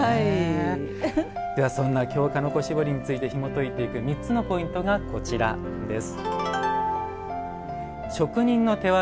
そんな京鹿の子絞りについてひもといていく３つのポイントがこちらです。